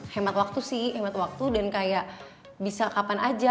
hemat waktu sih hemat waktu dan kayak bisa kapan aja